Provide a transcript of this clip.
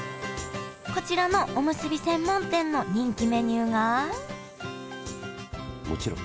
こちらのおむすび専門店の人気メニューがもちろん。